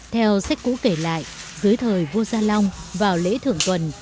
theo sách cũ kể lại dưới thời vua gia long vào lễ thưởng tuần